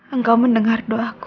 engkau mendengar doaku